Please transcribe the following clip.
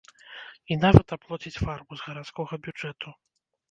І нават аплоціць фарбу з гарадскога бюджэту.